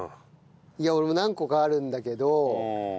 いや俺も何個かあるんだけど。